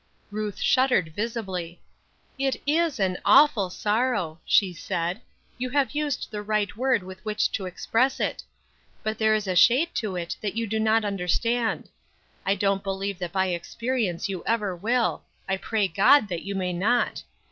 Ruth shuddered visibly. "It is an 'awful' sorrow," she said; "you have used the right word with which to express it; but there is a shade to it that you do not understand. I don't believe that by experience you ever will; I pray God that you may not.